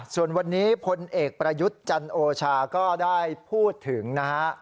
ส่วนวันนี้พลเอกประยุทธ์จันโอชาก็ได้พูดถึงนะฮะ